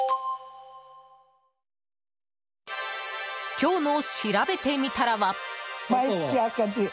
今日のしらべてみたらは。